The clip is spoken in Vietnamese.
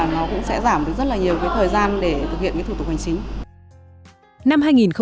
nó cũng sẽ giảm rất nhiều thời gian để thực hiện thủ tục hành chính